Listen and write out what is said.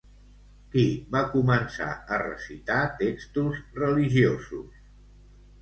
Qui va començar a recitar textos religiosos?